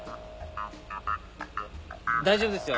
大丈夫ですよ。